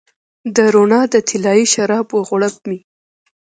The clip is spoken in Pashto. د روڼا د طلایې شرابو غوړپ مې